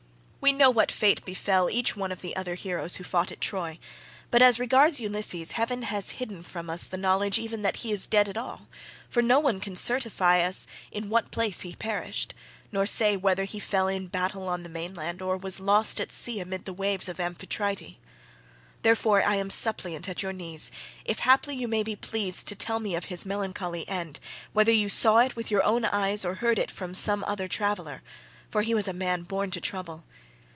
We know what fate befell each one of the other heroes who fought at Troy, but as regards Ulysses heaven has hidden from us the knowledge even that he is dead at all, for no one can certify us in what place he perished, nor say whether he fell in battle on the mainland, or was lost at sea amid the waves of Amphitrite. Therefore I am suppliant at your knees, if haply you may be pleased to tell me of his melancholy end, whether you saw it with your own eyes, or heard it from some other traveller, for he was a man born to trouble.